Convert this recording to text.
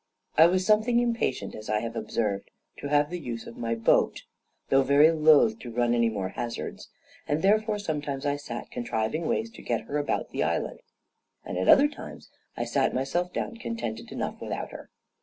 I was something impatient, as I have observed, to have the use of my boat, though very loath to run any more hazards; and therefore sometimes I sat contriving ways to get her about the island, and at other times I sat myself down contented enough without her.